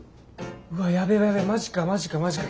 うわやべえやべえマジかマジかマジか。